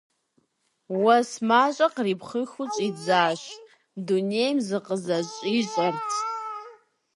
Уэс мащӀэ кърипхъыхыу щӀидзащ; дунейм зыкъызэщӀищӀэрт.